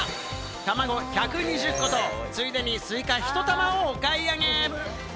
たまご１２０個と、ついでにスイカ１玉をお買い上げ。